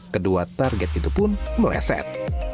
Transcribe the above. kedua target itu pun meleset